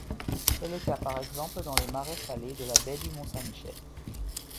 C'est le cas par exemple dans les marais salés de la baie du Mont-Saint-Michel.